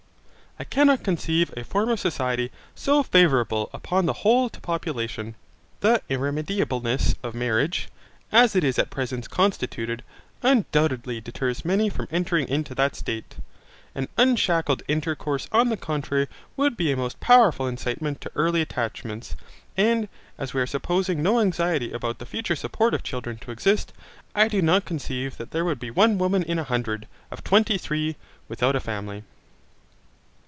I cannot conceive a form of society so favourable upon the whole to population. The irremediableness of marriage, as it is at present constituted, undoubtedly deters many from entering into that state. An unshackled intercourse on the contrary would be a most powerful incitement to early attachments, and as we are supposing no anxiety about the future support of children to exist, I do not conceive that there would be one woman in a hundred, of twenty three, without a family.